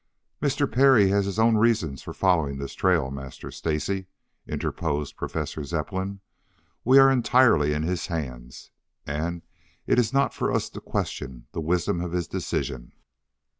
"Mr. Parry has his own reasons for following this trail, Master Stacy," interposed Professor Zepplin. "We are entirely in his hands and it is not for us to question the wisdom of his decision."